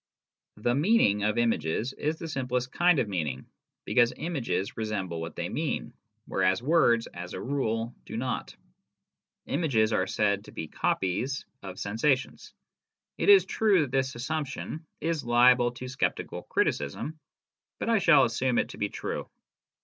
The " meaning " of images is the simplest kind of meaning, because images resemble what they mean, whereas words, as a rule, do not. Images are said to be " copies " of sensations. It is true that this assumption is liable to sceptical criticism, but I shall assume it to be true.